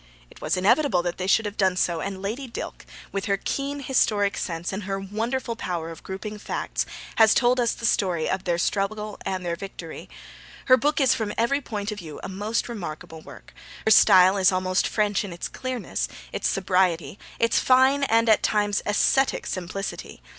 It was inevitable that they should have done so, and Lady Dilke, with her keen historic sense and her wonderful power of grouping facts, has told us the story of their struggle and their victory. Her book is, from every point of view, a most remarkable work. Her style is almost French in its clearness, its sobriety, its fine and, at times, ascetic simplicity.